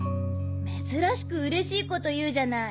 「珍しくうれしいこと言うじゃない。